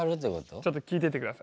ちょっと聞いてて下さい。